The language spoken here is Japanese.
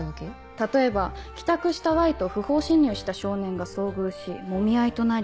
例えば帰宅したＹと不法侵入した少年が遭遇しもみ合いとなり。